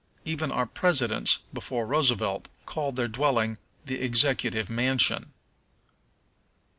Even our presidents, before Roosevelt, called their dwelling the Executive Mansion.